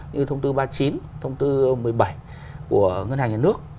như thông tư ba mươi chín thông tư một mươi bảy của ngân hàng nhà nước